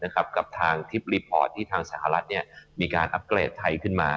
กับทางทริปรีพอร์ตที่ทางสหรัฐมีการอัพเกรดไทยขึ้นมา